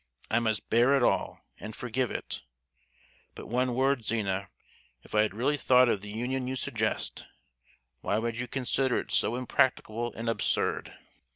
I must bear it all, and forgive it. But one word, Zina: if I had really thought of the union you suggest, why would you consider it so impracticable and absurd?